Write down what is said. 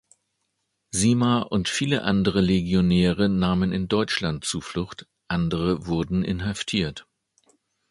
Sima und viele andere Legionäre nahmen in Deutschland Zuflucht, andere wurden inhaftiert.